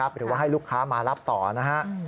หรือว่าให้ลูกค้ามารับต่อนะฮะ